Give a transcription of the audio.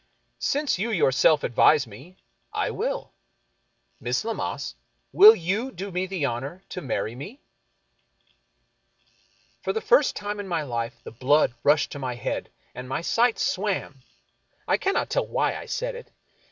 " Since you yourself advise me, I will. }kliss Lammas, will you do me the honor to marry me ?" For the first time in my life the blood rushed to my head and my sight swam. I cannot tell why I said it.